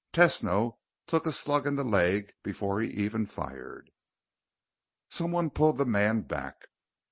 Tesno took a slug in the leg before he even fired." Someone pulled the man back.